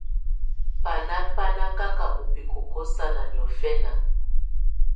Banà bá nà kaka ù bikoko sana niɔ̀fɛ̀na.